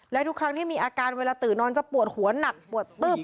และทุกครั้งที่มีอาการเวลาตื่นนอนจะปวดหัวหนักปวดตึ๊บ